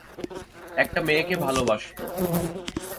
একটা মেয়েকে ভালোবাসতো।